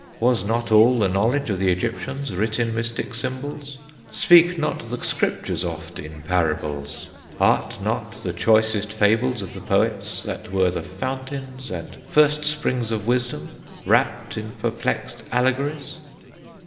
Was not all the knowledge Of the Egyptians writ in mystic symbols? Speak not the Scriptures oft in parables? Are not the choicest fables of the poets, That were the fountains and first springs of wisdom, Wrapp'd in perplexed allegories?